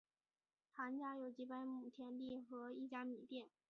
谭家有几百亩田地和一家米店。